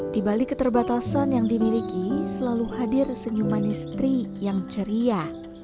di balik keterbatasan yang dimiliki selalu hadir senyuman istri yang ceria